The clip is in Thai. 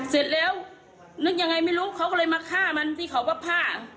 เสร็จแล้วนึกยังไงไม่รู้เขาก็เลยมาฆ่ามันที่เขาว่าผ้า